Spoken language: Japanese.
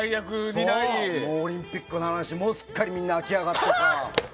もうオリンピックの話、もうすっかりみんな飽きやがってさ。